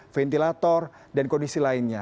ventilator dan kondisi lainnya